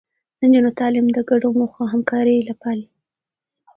د نجونو تعليم د ګډو موخو همکاري پالي.